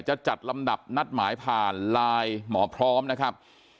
จะจัดลำดับนัดหมายผ่านไลน์หมอพร้อมนะครับ